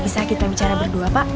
bisa kita bicara berdua pak